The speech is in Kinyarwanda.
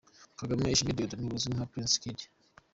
Kagame Ishimwe Dieudonne uzwi nka Prince Kid.